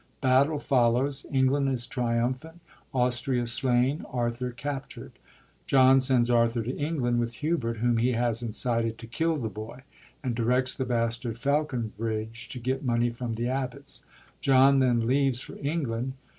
Battle follows : England is triumphant ; Austria slain ; Arthur captured. John sends Arthur to England with Hubert whom he has incited to kill the boy, and directs the Bastard Faulconbridge to get money from the abbots. John then leaves for England.